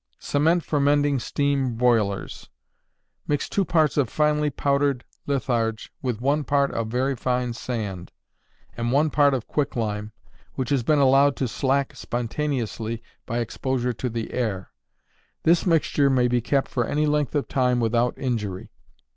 Cement for Mending Steam Boilers. Mix two parts of finely powdered litharge with one part of very fine sand, and one part of quicklime which has been allowed to slack spontaneously by exposure to the air. This mixture may be kept for any length of time without injury.